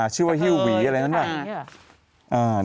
ชื่อว่าหี้ววีอะไรแน่นอน